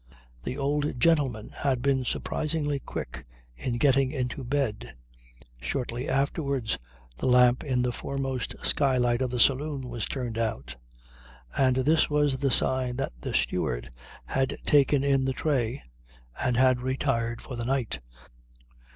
The old gentleman had been surprisingly quick in getting into bed. Shortly afterwards the lamp in the foremost skylight of the saloon was turned out; and this was the sign that the steward had taken in the tray and had retired for the night.